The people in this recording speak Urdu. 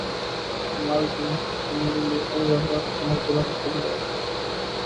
کمال جوش جنوں میں رہا میں گرم طواف